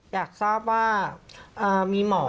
อยากทราบว่ามีหมอ